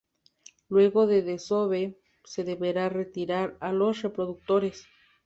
Luego del desove, se deberá retirar a los reproductores.